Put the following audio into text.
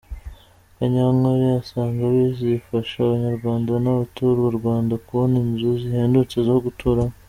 Kanyankole asanga bizafasha Abanyarwanda n’abaturarwanda kubona inzu zihendutse zo guturamo.